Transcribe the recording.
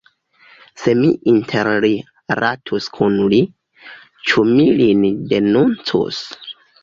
Se mi interrilatus kun li, ĉu mi lin denuncus?